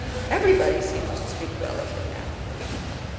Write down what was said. Everybody seems to speak well of him now."